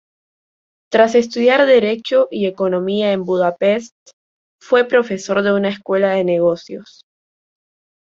Tras estudiar derecho y economía en Budapest, fue profesor de una escuela de negocios.